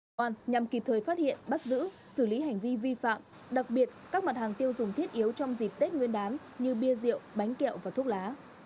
công an nhằm kịp thời phát hiện bắt giữ xử lý hành vi vi phạm đặc biệt các mặt hàng tiêu dùng thiết yếu trong dịp tết nguyên đán như bia rượu bánh kẹo và thuốc lá